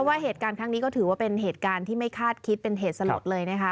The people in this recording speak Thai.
เพราะว่าเหตุการณ์ข้างนี้ก็ถือเป็นเหตุการณ์ที่ไม่คาดคิดเป็นเหตุสะหรับเลยนะคะ